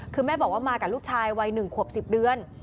คือแม่บอกว่ามากับลูกชายวัย๑ขวบ๑๐เดือน